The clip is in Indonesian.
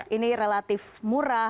ini relatif murah